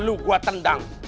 lu gua tendang